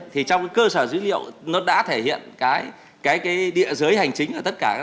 thì trong cơ sở dữ liệu nó đã thể hiện cái địa giới hành chính của tất cả